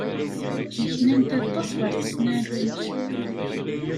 Nneknant aṭas ɣer tesnallunt.